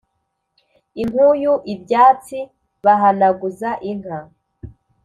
Inkuyu ibyatsi bahanaguza inka